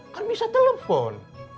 kan bisa telepon